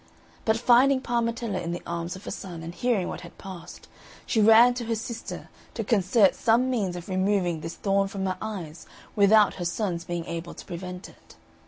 But finding Parmetella in the arms of her son, and hearing what had passed, she ran to her sister, to concert some means of removing this thorn from her eyes without her son's being able to prevent it.